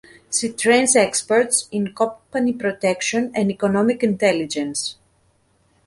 She trains experts in company protection and economic intelligence.